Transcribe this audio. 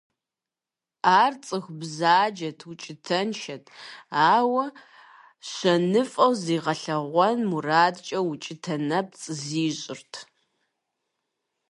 Ар цӀыху бзаджэт, укӀытэншэт, ауэ щэныфӀэу зигъэлъэгъуэн мурадкӀэ укӀытэ нэпцӀ зищӀырт.